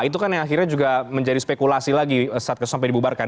itu kan yang akhirnya juga menjadi spekulasi lagi saat sampai dibubarkan